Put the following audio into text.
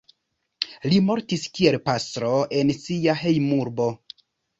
Li mortis kiel pastro en sia hejmurbo.